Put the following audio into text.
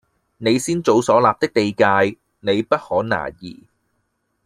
你先祖所立的地界，你不可挪移